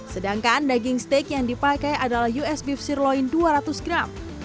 sedangkan daging steak yang dipakai adalah us beef cirloin dua ratus gram